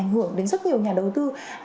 ảnh hưởng đến rất nhiều nhà đầu tư